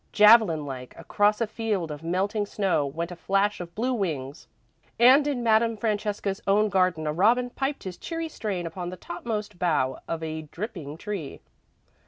Javelin like, across a field of melting snow, went a flash of blue wings, and in Madame Francesca's own garden a robin piped his cheery strain upon the topmost bough of a dripping tree.